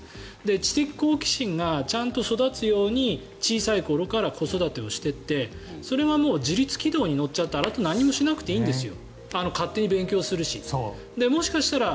知的好奇心がちゃんと育つように小さい頃から子育てをしていってそれが自律軌道に乗るとあとは何もしなくていいんですよ